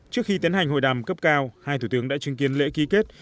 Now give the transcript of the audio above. trước khi tiến hành hội đàm cấp cao hai thủ tướng đã chứng kiến lễ ký kết